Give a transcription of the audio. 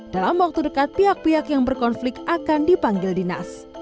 dalam waktu dekat pihak pihak yang berkonflik akan dipanggil dinas